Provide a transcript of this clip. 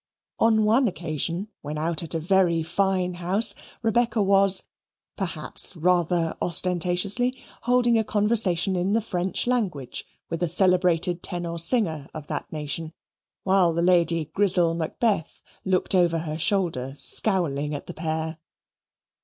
On one occasion, when out at a very fine house, Rebecca was (perhaps rather ostentatiously) holding a conversation in the French language with a celebrated tenor singer of that nation, while the Lady Grizzel Macbeth looked over her shoulder scowling at the pair.